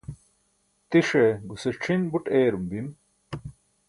tiṣ e guse c̣ʰin buṭ eyraum bim